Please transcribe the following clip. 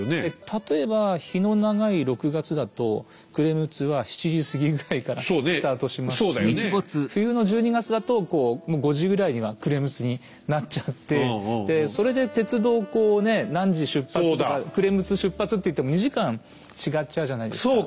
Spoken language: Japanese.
例えば日の長い６月だと暮れ六つは７時過ぎぐらいからスタートしますし冬の１２月だともう５時ぐらいには暮れ六つになっちゃってそれで鉄道をこうね何時出発とか暮れ六つ出発っていっても２時間違っちゃうじゃないですか。